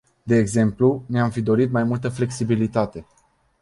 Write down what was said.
De exemplu, ne-am fi dorit mai multă flexibilitate.